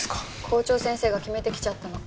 校長先生が決めてきちゃったの。